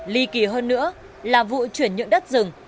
ly kỳ hơn nữa là vụ chuyển nhượng đất rừng